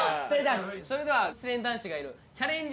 それでは失恋男子がいるチャレンジ